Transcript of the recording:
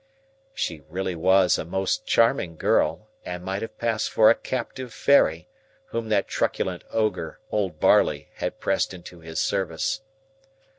She really was a most charming girl, and might have passed for a captive fairy, whom that truculent Ogre, Old Barley, had pressed into his service.